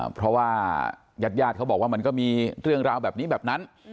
เพราะว่ายาดเขาบอกว่ามันก็มีเรื่องราวแบบนี้แบบนั้น